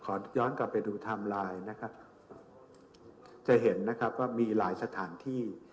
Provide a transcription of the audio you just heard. ขอย้อนกลับไปดูไทม์ไลน์จะเห็นว่ามีหลายสถานที่